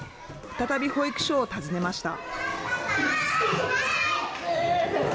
再び、保育所を訪ねました。